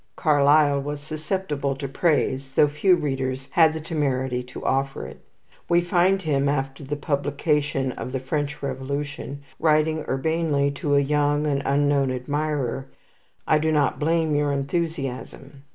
Carlyle was susceptible to praise, though few readers had the temerity to offer it. We find him, after the publication of the "French Revolution," writing urbanely to a young and unknown admirer; "I do not blame your enthusiasm."